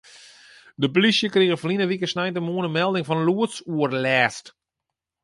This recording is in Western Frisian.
De plysje krige ferline wike sneintemoarn in melding fan lûdsoerlêst.